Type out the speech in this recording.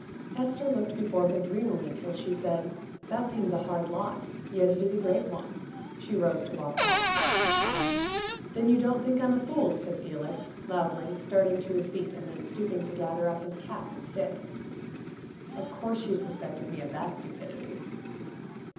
Esther looked before her dreamily till she said, "That seems a hard lot; yet it is a great one." She rose to walk back. "Then you don't think I'm a fool," said Felix, loudly, starting to his feet, and then stooping to gather up his cap and stick. "Of course you suspected me of that stupidity."